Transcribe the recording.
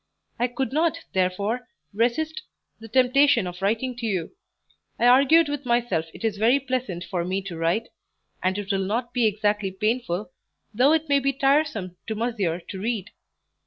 I could not, therefore, resist the temptation of writing to you; I argued with myself it is very pleasant for me to write, and it will not be exactly painful, though it may be tiresome to monsieur to read.